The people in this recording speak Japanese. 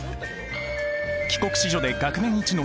帰国子女で学年一の秀才。